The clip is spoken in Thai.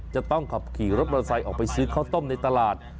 จะต้องขับขี่รถมอเตอร์ไซค์ออกไปซื้อข้าวต้มในตลาด